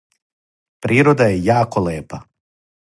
Природа је јако лепа.